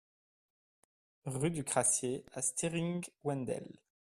Rue du Crassier à Stiring-Wendel